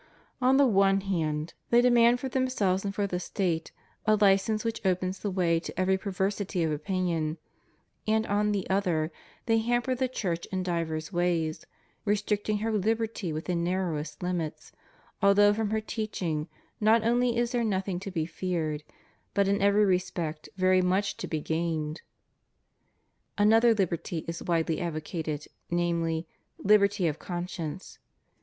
On the one hand, they demand for themselves and for the State a license which opens the way to every perversity of opinion; and on the other, they hamper the Church in divers ways, restricting her liberty within narrowest limits, although from her teaching not only is there nothing to be feared, but in every respect very much to be gained. Another liberty is widely advocated, namel)^, liberty of conscience.